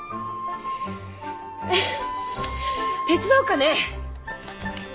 フッ手伝おうかね！